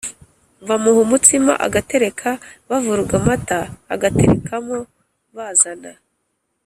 bamuha umutsima agatereka bavuruga amata agaterekam bazana